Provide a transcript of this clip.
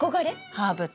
ハーブって。